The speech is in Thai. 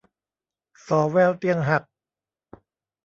ส่อแววเตียงหัก